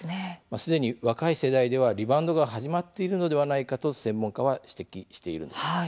すでに若い世代ではリバウンドが始まっているのではないかと専門家は指摘しています。